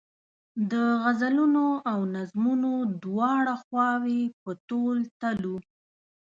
د غزلونو او نظمونو دواړه خواوې په تول تلو.